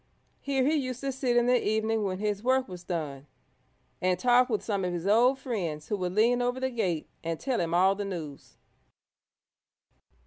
Here he used to sit in the evening when his work was done, and talk with some of his old friends who would lean over the gate and tell him all the news.